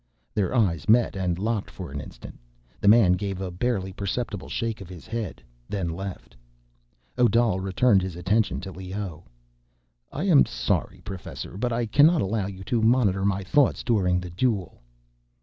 Their eyes met and locked for an instant. The man gave a barely perceptible shake of his head, then left. Odal returned his attention to Leoh. "I am sorry, professor, but I cannot allow you to monitor my thoughts during the duel."